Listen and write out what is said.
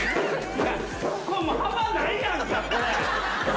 幅ないやんか、これ。